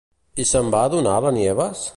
I se'n va adonar, la Nieves?